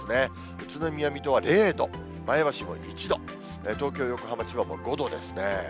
宇都宮、水戸は０度、前橋も１度、東京、横浜、千葉も５度ですね。